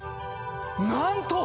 なんと！